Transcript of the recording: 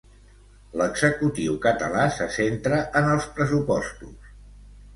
L'executiu català se centra en els pressupostos.